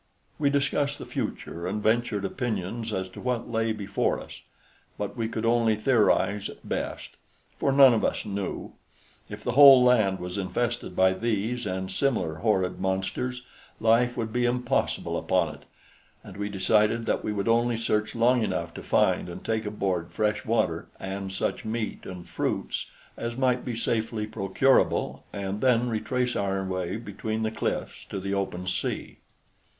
We discussed the future and ventured opinions as to what lay before us; but we could only theorize at best, for none of us knew. If the whole land was infested by these and similar horrid monsters, life would be impossible upon it, and we decided that we would only search long enough to find and take aboard fresh water and such meat and fruits as might be safely procurable and then retrace our way beneath the cliffs to the open sea.